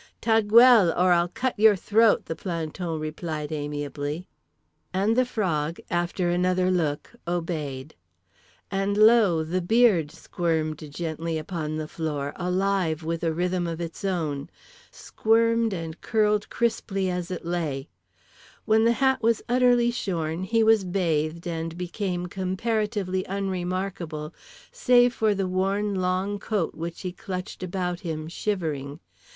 —"Ta gueule or I'll cut your throat," the planton replied amiably; and The Frog, after another look, obeyed. And lo, the beard squirmed gently upon the floor, alive with a rhythm of its own; squirmed and curled crisply as it lay…. When The Hat was utterly shorn, he was bathed and became comparatively unremarkable, save for the worn long coat which he clutched about him, shivering.